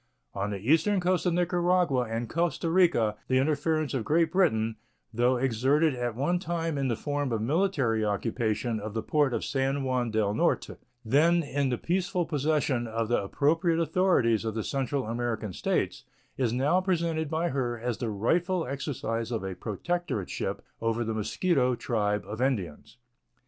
On the eastern coast of Nicaragua and Costa Rica the interference of Great Britain, though exerted at one time in the form of military occupation of the port of San Juan del Norte, then in the peaceful possession of the appropriate authorities of the Central American States, is now presented by her as the rightful exercise of a protectorship over the Mosquito tribe of Indians.